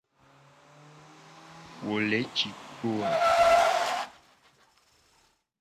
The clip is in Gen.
Wo le ci kpo a?